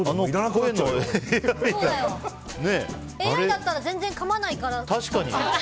ＡＩだったら全然かまないから。